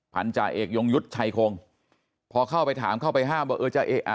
พันธาเอกยงยุทธ์ชัยคงพอเข้าไปถามเข้าไปห้ามว่าเออจะเอ๊ะอ่ะ